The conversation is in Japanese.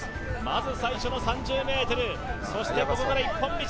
まず最初の３０ｍそしてここから一本道